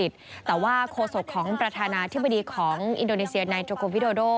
แต่ว่าโคศกของประธานาธิบดีของอินโดนีเซียในโจโกวิโดโด